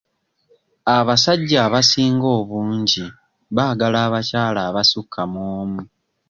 Abasajja abasinga obungi baagala abakyala abasukka mu omu.